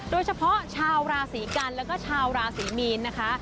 โดยเฉพาะชาวราศีกันแล้วก็ชาวราศรีมีนนะคะ